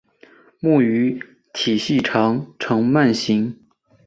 本鱼体细长呈鳗形。